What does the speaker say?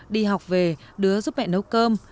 đi học về đứa giúp mẹ nấu cơm